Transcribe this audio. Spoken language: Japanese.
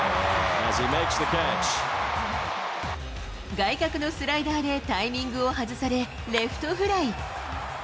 外角のスライダーでタイミングを外され、レフトフライ。